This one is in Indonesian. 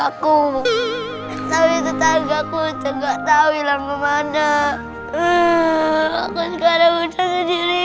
aku tapi tetangga aku juga tahu ilang kemana aku sekarang udah sendiri